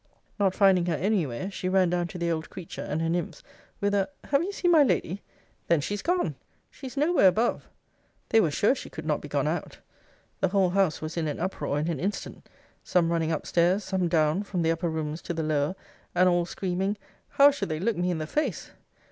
'Not finding her any where, she ran down to the old creature, and her nymphs, with a Have you seen my lady? Then she's gone! She's no where above! 'They were sure she could not be gone out. 'The whole house was in an uproar in an instant; some running up stairs, some down, from the upper rooms to the lower; and all screaming, How should they look me in the face!